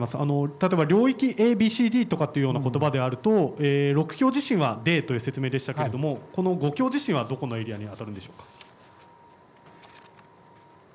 例えば領域ＡＢＣＤということばであると６強地震はＤという説明でしたが５強はどのエリアに当たるのでしょうか。